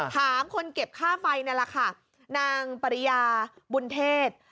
ถามคนเก็บค่าไฟนั่นแหละค่ะนางปริยาบุญเทศ